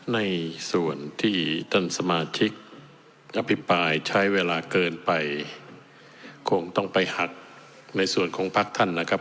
ในส่วนที่ท่านสมาชิกอภิปรายใช้เวลาเกินไปคงต้องไปหักในส่วนของพักท่านนะครับ